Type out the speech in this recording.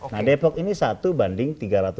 nah depok ini satu banding tiga ratus lima puluh